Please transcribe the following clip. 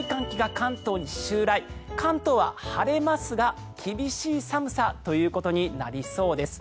関東は晴れますが厳しい寒さということになりそうです。